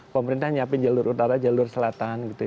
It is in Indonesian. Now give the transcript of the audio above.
pemerintah nyiapin jalur utara jalur selatan gitu